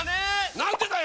なんでだよ！